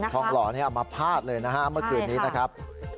ทองล้อนี่มาพลาดเลยเมื่อคืนนี้นะครับ